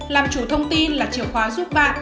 làm chủ thông tin là chiều khóa giúp bạn